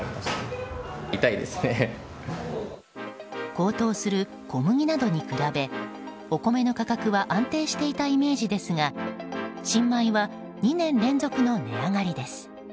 高騰する小麦などに比べお米の価格は安定していたイメージですが新米は２年連続の値上がりです。